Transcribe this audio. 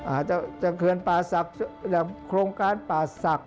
อาจจะเคือนป่าศักดิ์